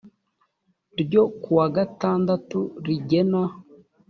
ryo kuwa gatandatu rigena